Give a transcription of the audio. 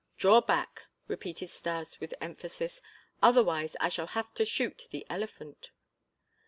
"Draw back!" repeated Stas with emphasis, "otherwise I shall have to shoot the elephant."